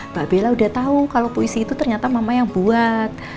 mbak bella udah tahu kalau puisi itu ternyata mama yang buat